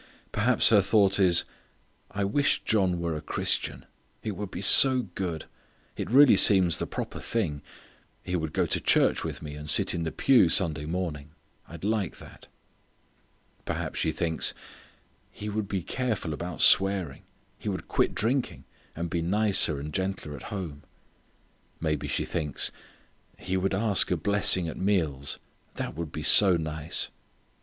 Perhaps her thought is: "I wish John were a Christian: it would be so good: it really seems the proper thing: he would go to church with me, and sit in the pew Sunday morning: I'd like that." Perhaps she thinks: "He would be careful about swearing; he would quit drinking; and be nicer and gentler at home." Maybe she thinks: "He would ask a blessing at the meals; that would be so nice."